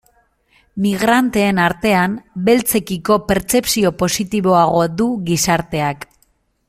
Migranteen artean, beltzekiko pertzepzio positiboagoa du gizarteak.